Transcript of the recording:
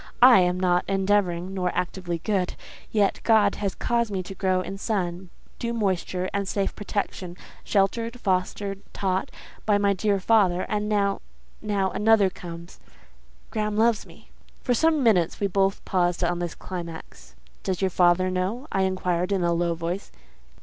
I am not endeavouring, nor actively good, yet God has caused me to grow in sun, due moisture, and safe protection, sheltered, fostered, taught, by my dear father; and now—now—another comes. Graham loves me." For some minutes we both paused on this climax. "Does your father know?" I inquired, in a low voice.